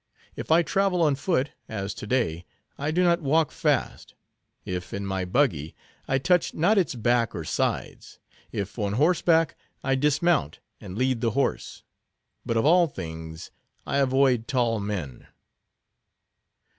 If I travel on foot—as to day—I do not walk fast; if in my buggy, I touch not its back or sides; if on horseback, I dismount and lead the horse. But of all things, I avoid tall men."